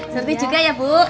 surti juga ya bu